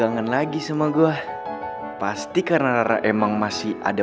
lo cari aja sana bukti kalo misal tuh gak salah